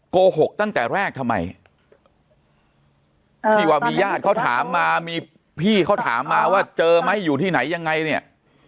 โกหกตั้งแต่แรกทำไมที่ว่ามีญาติเขาถามมามีพี่เขาถามมาว่าเจอไหมอยู่ที่ไหนยังไงเนี่ย